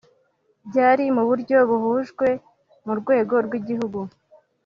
Byari mu buryo buhujwe mu rwego rw’igihugu